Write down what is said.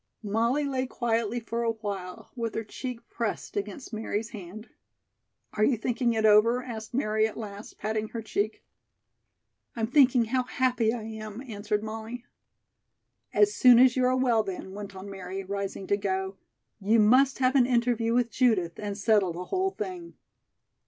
Molly lay quietly for a while with her cheek pressed against Mary's hand. "Are you thinking it over?" asked Mary at last, patting her cheek. "I'm thinking how happy I am," answered Molly. "As soon as you are well, then," went on Mary, rising to go, "you must have an interview with Judith and settle the whole thing."